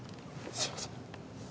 すみません。